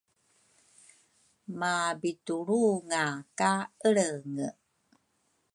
mabitulrunga ka Elrenge.